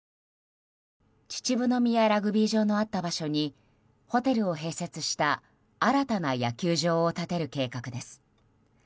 秩父宮ラグビー場のあった場所にホテルを併設した新たな野球場を建てる計画です。